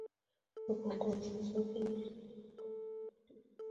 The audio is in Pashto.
په پانګوالي نظام کې مزد د لازم کار په مقابل کې وي